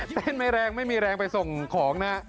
ไม่แรงไม่มีแรงไปส่งของนะ